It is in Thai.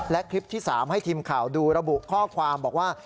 และคลิปที่๓ให้ทีมข่าวดูระบุข้อความบอกว่า